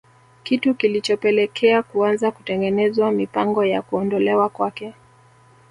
Kitu kilichopelekea kuanza kutengenezwa mipango ya kuondolewa kwake